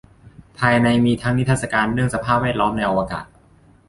ภายในมีทั้งนิทรรศการเรื่องสภาพแวดล้อมในอวกาศ